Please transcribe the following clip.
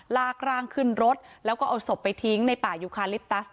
ลากร่างขึ้นรถแล้วก็เอาศพไปทิ้งในป่ายูคาลิปตัส